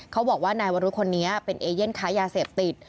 เขาบอกว่านายวรุษคนนี้เป็นเอเย่นค้ายาเสพติด